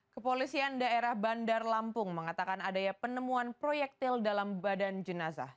kepolisian daerah bandar lampung mengatakan adanya penemuan proyektil dalam badan jenazah